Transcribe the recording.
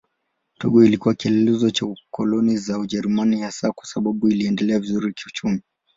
Togo ilikuwa kielelezo cha koloni za Ujerumani hasa kwa sababu iliendelea vizuri kiuchumi.